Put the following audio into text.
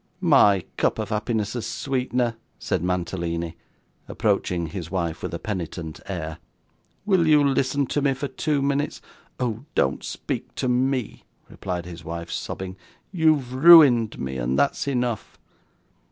'My cup of happiness's sweetener,' said Mantalini, approaching his wife with a penitent air; 'will you listen to me for two minutes?' 'Oh! don't speak to me,' replied his wife, sobbing. 'You have ruined me, and that's enough.